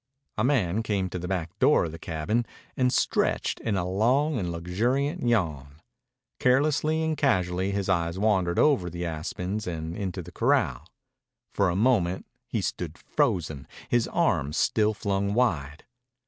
A man came to the back door of the cabin and stretched in a long and luxuriant yawn. Carelessly and casually his eyes wandered over the aspens and into the corral. For a moment he stood frozen, his arms still flung wide.